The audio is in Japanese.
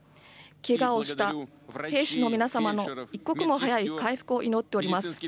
けがをした兵士の皆様の一刻も早い回復を祈っております。